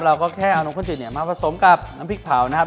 เราก็แค่เอานมข้นจืดเนี่ยมาผสมกับน้ำพริกเผานะครับ